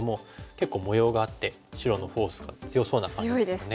結構模様があって白のフォースが強そうな感じですよね。